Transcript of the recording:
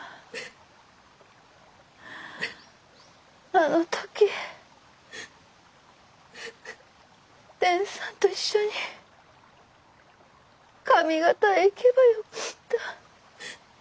あの時伝さんと一緒に上方へ行けばよかった。